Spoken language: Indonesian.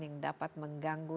yang dapat mengganggu